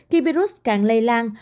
khi virus càng lây lan